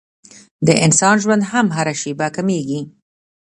د انسان ژوند هم هره شېبه کمېږي.